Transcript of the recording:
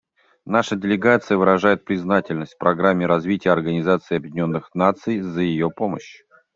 Наша делегация выражает признательность Программе развития Организации Объединенных Наций за ее помощь.